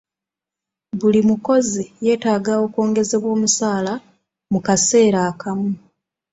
Buli mukozi yeetaaga okwongezebwa omusaala mu kaseera akamu.